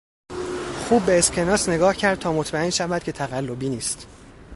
خوب به اسکناس نگاه کرد تا مطمئن شود که تقلبی نیست.